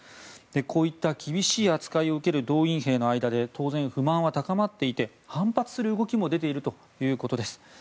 こういった厳しい扱いを受ける動員兵の間で当然不満は高まっていて反発する動きも出ているということです。